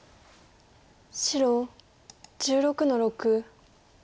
白１６の六。